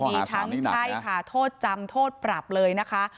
มีทั้งใช่ค่ะโทษจำโทษปรับเลยนะคะ